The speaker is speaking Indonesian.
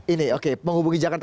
ini oke menghubungi jakarta